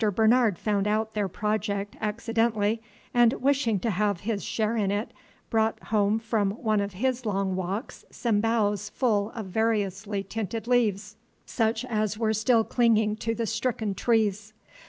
Bernard found out their project accidentally, and, wishing to have his share in it, brought home from one of his long walks some boughs full of variously tinted leaves, such as were still clinging to the stricken trees.